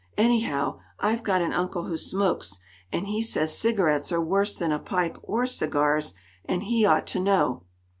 Anyhow, I've got an uncle who smokes, and he says cigarettes are worse than a pipe or cigars, and he ought to know."